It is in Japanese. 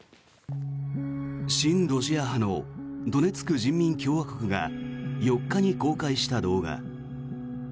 親ロシア派のドネツク人民共和国が４日に公開した動画。